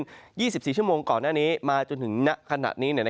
ข้อมูลกลุ่มก็ไม่ได้เกาะตัวขึ้น๒๔ชั่วโมงก่อนหน้านี้มาจนถึงนักขณะนี้